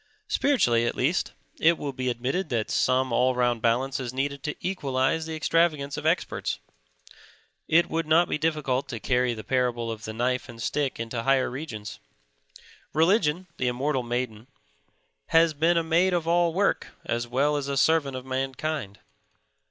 Spiritually, at least, it will be admitted that some all round balance is needed to equalize the extravagance of experts. It would not be difficult to carry the parable of the knife and stick into higher regions. Religion, the immortal maiden, has been a maid of all work as well as a servant of mankind.